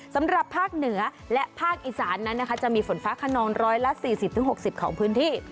สำหรับภาคเหนือและภาคอีสานนั้นนะคะจะมีฝนฟ้าขนอง๑๔๐๖๐ของพื้นที่